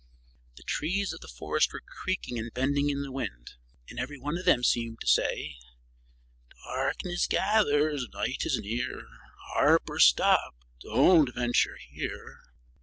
The trees of the forest were creaking and bending in the wind, and every one of them seemed to say: "Darkness gathers, night is near; Harper, stop! Don't venture here."